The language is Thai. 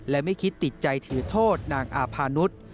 และไม่คิดติดใจถือโทษนางอาพานุษย์